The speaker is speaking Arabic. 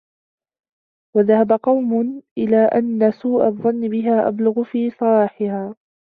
وَذَهَبَ قَوْمٌ إلَى أَنَّ سُوءَ الظَّنِّ بِهَا أَبْلُغُ فِي صَلَاحِهَا